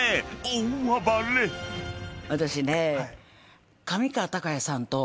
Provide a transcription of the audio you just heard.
私ね。